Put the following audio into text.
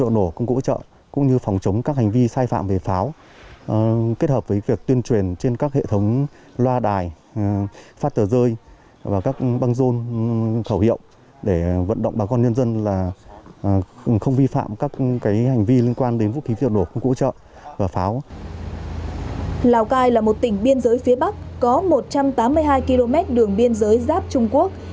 lào cai là một tỉnh biên giới phía bắc có một trăm tám mươi hai km đường biên giới giáp trung quốc